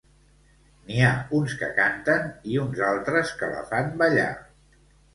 N'hi ha uns que canten i uns altres que la fan ballar.